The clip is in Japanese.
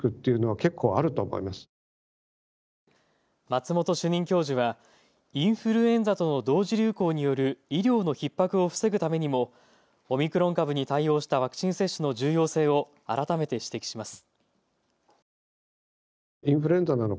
松本主任教授はインフルエンザの同時流行による医療のひっ迫を防ぐためにもオミクロン株に対応したワクチン接種の重要性を改めて指摘します。